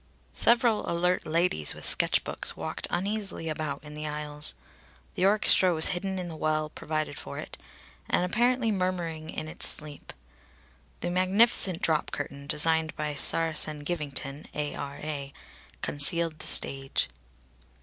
Several alert ladies with sketchbooks walked uneasily about in the aisles. The orchestra was hidden in the well provided for it, and apparently murmuring in its sleep. The magnificent drop curtain, designed by Saracen Givington, A.R.A., concealed the stage.